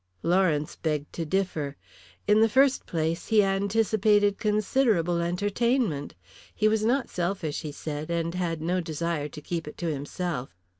Lawrence begged to differ. In the first place, he anticipated considerable entertainment. He was not selfish, he said, and had no desire to keep it to himself.